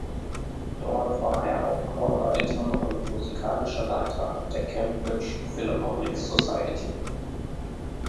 Dort war er auch Chorleiter und musikalischer Leiter der Cambridge Philharmonic Society.